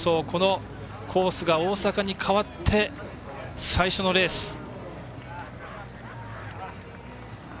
このコースが大阪に変わって最初のレース。